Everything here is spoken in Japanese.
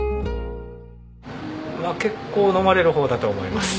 結構飲まれる方だと思います。